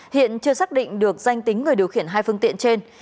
hiện chưa xác định được danh tính người điều khiển hai phương tiện trên